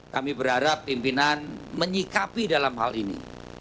kami berharap pimpinan menyikapi dalam hal ini